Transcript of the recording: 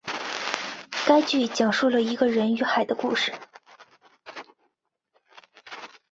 该剧讲述了一个人与海的故事。